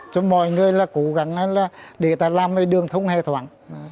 cho mọi người là cố gắng để ta làm đường thông hệ thoảng